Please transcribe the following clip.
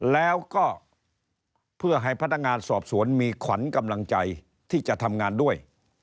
แล้วก็เพื่อให้พนักงานสอบสวนมีขวัญกำลังใจที่จะทำงานด้วย